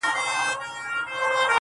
o ازمويلی بيامه ازمايه٫